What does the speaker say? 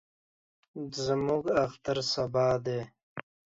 زموږ اختر سبا دئ.